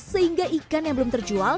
sehingga ikan yang belum terjual